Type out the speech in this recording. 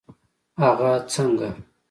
هغه څنګه؟